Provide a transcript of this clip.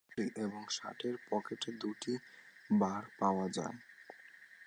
তার দুটি জুতার ভেতর আটটি এবং শার্টের পকেটে দুটি বার পাওয়া যায়।